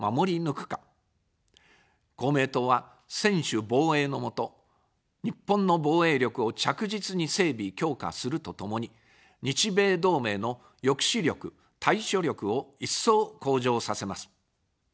公明党は、専守防衛の下、日本の防衛力を着実に整備・強化するとともに、日米同盟の抑止力・対処力を一層向上させます。